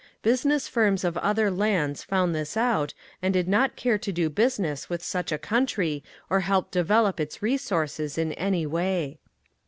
Business firms of other lands found this out and did not care to do business with such a country or help develop its resources in any way.